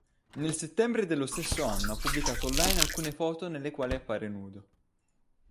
Nel settembre dello stesso anno ha pubblicato online alcune foto nelle quali appare nudo.